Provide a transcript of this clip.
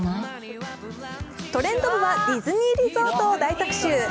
「トレンド部」はディズニーリゾートを大特集。